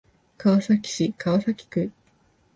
川崎市川崎区